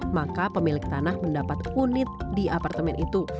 maka pemilik tanah mendapat unit di apartemen itu